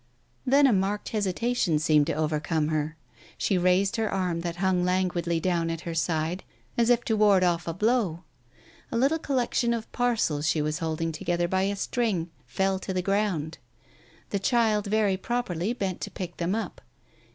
Then a marked hesitation seemed to overcome her. She raised her arm that hung languidly down at her side, as if to ward off a blow. A little collection of parcels she was holding together by a string fell to the ground. The child very properly bent to pick them up.